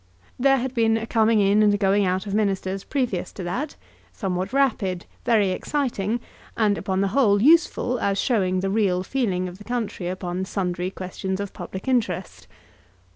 There had been a coming in and a going out of Ministers previous to that, somewhat rapid, very exciting, and, upon the whole, useful as showing the real feeling of the country upon sundry questions of public interest.